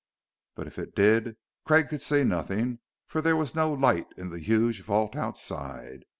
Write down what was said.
But if it did, Craig could see nothing, for there was no light in the huge vault outside.